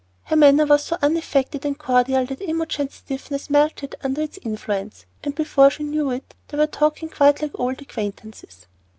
Her manner was so unaffected and cordial that Imogen's stiffness melted under its influence, and before she knew it they were talking quite like old acquaintances.